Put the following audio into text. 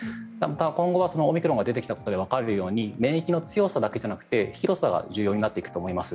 今後はオミクロンが出てきたことでわかるように免疫の強さだけじゃなくて広さが重要になっていくと思います。